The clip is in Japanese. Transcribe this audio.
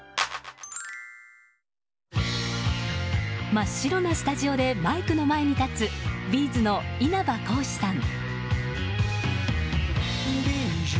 真っ白なスタジオでマイクの前に立つＢ’ｚの稲葉浩志さん。